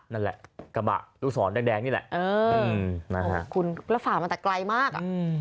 นั่นแหละกระบะลูกศรแดงนี่แหละเออนะฮะคุณแล้วฝ่ามาแต่ไกลมากอ่ะ